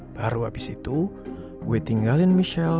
baru habis itu gue tinggalin michelle